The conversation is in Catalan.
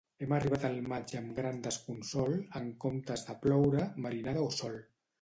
Hem arribat al maig amb gran desconsol; en comptes de ploure, marinada o sol.